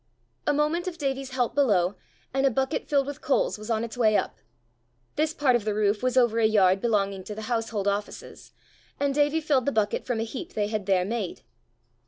A moment of Davie's help below, and a bucket filled with coals was on its way up: this part of the roof was over a yard belonging to the household offices, and Davie filled the bucket from a heap they had there made.